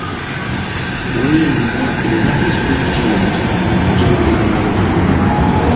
Weerimba era ekituufu kiri nti oteekwa okunaaba buli lunaku.